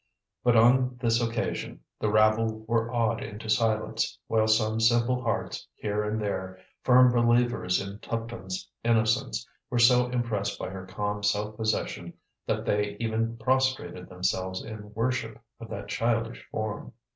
But, on this occasion, the rabble were awed into silence; while some simple hearts, here and there, firm believers in Tuptim's innocence, were so impressed by her calm self possession, that they even prostrated themselves in worship of that childish form.